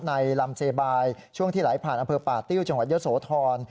ในลำเซบายช่วงที่ไหลผ่านอำเภอป่าติ้วจังหวัดเยอะโสธร